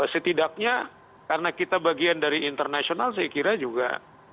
setidaknya karena kita bagian dari internasional saya kira juga